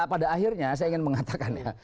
pada akhirnya saya ingin mengatakannya